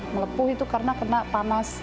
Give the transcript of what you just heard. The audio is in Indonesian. melepuh itu karena kena panas